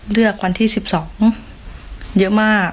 เลือกวันที่๑๒เยอะมาก